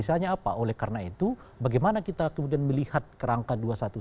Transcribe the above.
tersisanya apa oleh karena itu bagaimana kita kemudian melihat kerangka dua sebelas empat sebelas